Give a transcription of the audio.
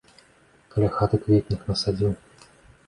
Каля хаты кветнік насадзіў.